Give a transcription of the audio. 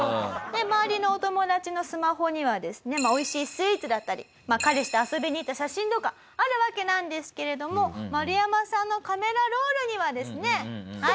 周りのお友達のスマホにはですね美味しいスイーツだったり彼氏と遊びに行った写真とかあるわけなんですけれどもマルヤマさんのカメラロールにはですねはい。